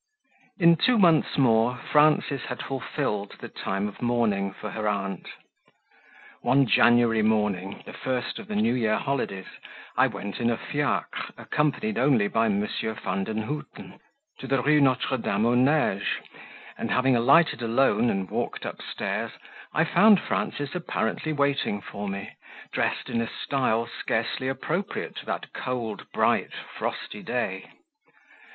IN two months more Frances had fulfilled the time of mourning for her aunt. One January morning the first of the new year holidays I went in a fiacre, accompanied only by M. Vandenhuten, to the Rue Notre Dame aux Neiges, and having alighted alone and walked upstairs, I found Frances apparently waiting for me, dressed in a style scarcely appropriate to that cold, bright, frosty day.